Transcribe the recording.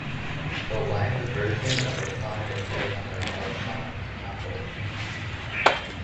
The live version of the song appears on their "Love Songs" compilation.